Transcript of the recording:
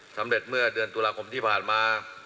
สำเร็จเมื่อเดือนตุลาคมที่ผ่านมา